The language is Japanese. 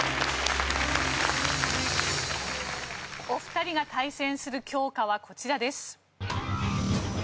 お二人が対戦する教科はこちらです。